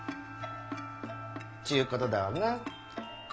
ちゅうことだわな。